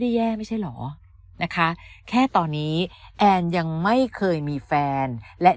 แย่ไม่ใช่เหรอนะคะแค่ตอนนี้แอนยังไม่เคยมีแฟนและ